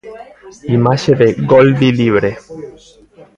Imaxe de 'Goldi libre'.